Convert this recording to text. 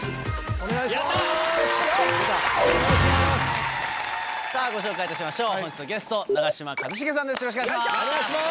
お願いします！